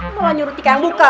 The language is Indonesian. lu malah nyuruh dika yang buka